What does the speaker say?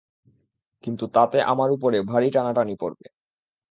কিন্তু তাতে আমার উপরে ভারি টানাটানি পড়বে।